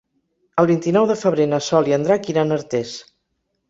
El vint-i-nou de febrer na Sol i en Drac iran a Artés.